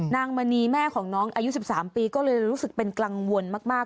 มณีแม่ของน้องอายุ๑๓ปีก็เลยรู้สึกเป็นกังวลมาก